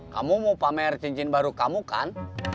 kamu mau pamer cincin baru kamu kan